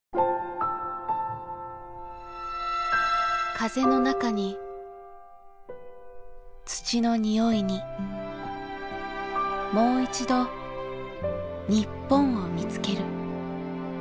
風の中に土の匂いにもういちど日本を見つける。